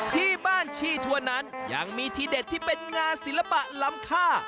ที่บ้านชีทัวร์นั้นยังมีทีเด็ดที่เป็นงานศิลปะล้ำค่า